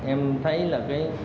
em thấy là cái